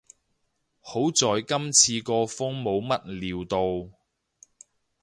好在今次個風冇乜料到